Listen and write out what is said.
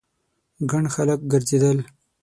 ګڼ خلک ګرځېدل.